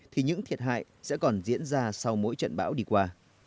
thì những thiệt hại sẽ còn diễn ra sau mỗi trận bão đi qua